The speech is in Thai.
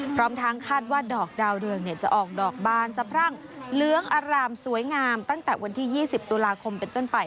พร้อมทั้งคาดว่าดอกดาวเรืองจะออกดอกบานสะพรั่งเหลืองอารามสวยงามตั้งแต่วันที่๒๐ตุลาคมเป็นต้นไป